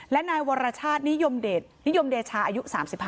และนายวรชาตินิยมเดชาอายุ๓๕